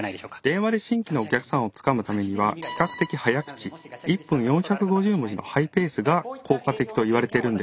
電話で新規のお客さんをつかむためには比較的早口１分４５０文字のハイペースが効果的といわれてるんです。